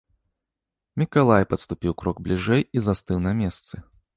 Мікалай падступіў крок бліжэй і застыў на месцы.